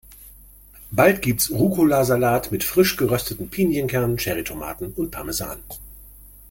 Bald gibt's Rucola-Salat mit frisch gerösteten Pinienkernen, Cherry-Tomaten und Parmesan.